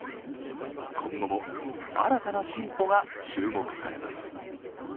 今後も新たな進歩が注目されます。